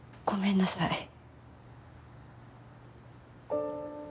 ごめんなさい。